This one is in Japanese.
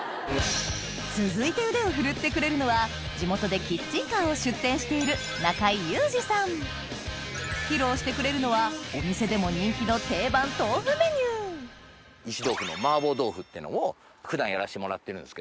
続いて腕を振るってくれるのは地元でキッチンカーを出店している披露してくれるのはお店でも人気の石豆富の麻婆豆腐っていうのを普段やらしてもらってるんです。